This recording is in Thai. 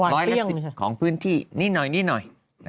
๑๐๐ละ๑๐ของพื้นที่นิดน้อย